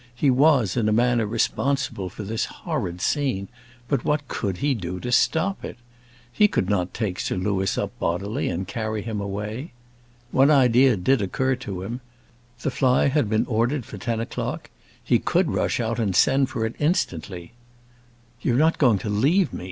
He was in a manner responsible for this horrid scene; but what could he do to stop it? He could not take Sir Louis up bodily and carry him away. One idea did occur to him. The fly had been ordered for ten o'clock. He could rush out and send for it instantly. "You're not going to leave me?"